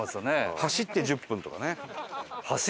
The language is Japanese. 走って１０分とかね。